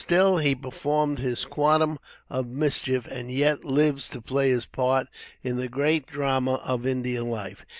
Still, he performed his quantum of mischief, and yet lives to play his part in the great drama of Indian life.